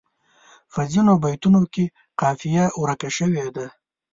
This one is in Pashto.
په ځینو بیتونو کې قافیه ورکه شوې ده.